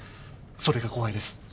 それが怖いです。